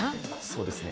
そうですね。